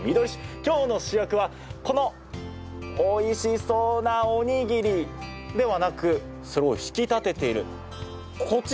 今日の主役は、このおいしそうなおにぎりではなくそれを引き立てている、こちら。